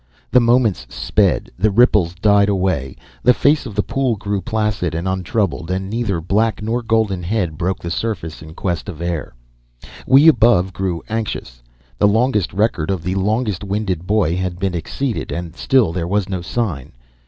The moments sped, the ripples died away, the face of the pool grew placid and untroubled, and neither black nor golden head broke surface in quest of air. We above grew anxious. The longest record of the longest winded boy had been exceeded, and still there was no sign.